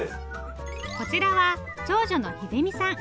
こちらは長女の秀美さん。